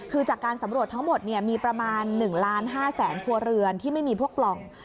คือจากการสำรวจทั้งหมดมีประมาณ๑ล้าน๕แสนครัวเรือนที่ไม่มีพวกปล่อง